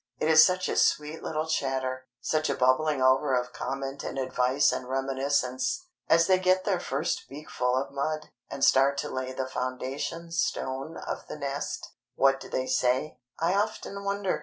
It is such a sweet little chatter, such a bubbling over of comment and advice and reminiscence, as they get their first beakful of mud, and start to lay the foundation stone of the nest. What do they say? I often wonder.